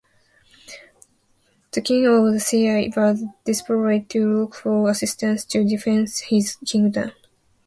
The King of Sia was desperate to look for assistance to defend his kingdom.